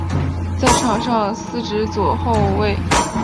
在场上司职左后卫。